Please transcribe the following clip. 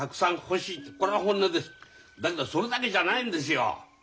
だけどそれだけじゃないんですよ。